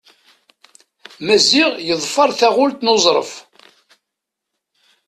Maziɣ yeḍfer taɣult n Uẓref.